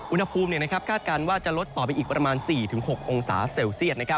คาดการณ์ว่าจะลดต่อไปอีกประมาณ๔๖องศาเซลเซียต